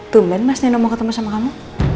tungguin mas nino mau ketemu sama kamu